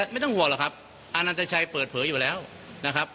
ไม่ต้องห่วงหรอกครับอานันตชัยเปิดเผยอยู่แล้วนะครับ